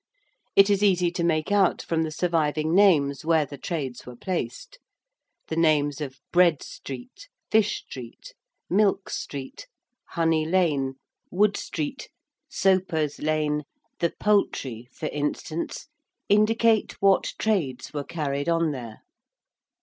It is easy to make out from the surviving names where the trades were placed. The names of Bread Street, Fish Street, Milk Street, Honey Lane, Wood Street, Soapers' Lane, the Poultry, for instance, indicate what trades were carried on there.